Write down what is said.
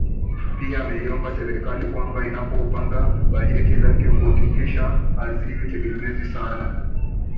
Pia ameiomba Serikali kwamba inapopanga bajeti zake kuhakikisha haziwi tegemezi sana